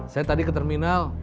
saya tadi ke terminal